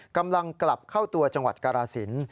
กำลังกลับเข้าตัวจังหวัดกรสิน